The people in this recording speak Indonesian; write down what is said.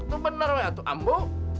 itu benar wai atu ambo